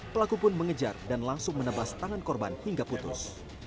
pelaku pun mengejar dan langsung menebas tangan korban hingga putus